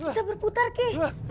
ki kita berputar ki